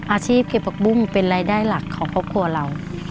อาชีพเก็บผักบุ้งเป็นรายได้หลักของครอบครัวเรา